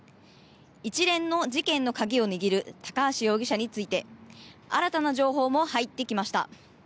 一連の事件の鍵を握る高橋容疑者について新たな情報も入ってきました。